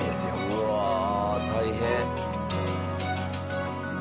うわあ大変。